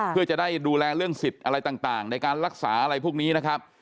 เพื่อจะได้ดูแลเรื่องสิทธิ์อะไรต่างในการรักษาอะไรพวกนี้นะครับ